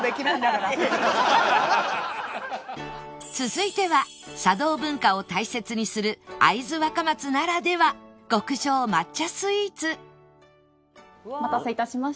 続いては茶道文化を大切にする会津若松ならでは極上抹茶スイーツお待たせ致しました。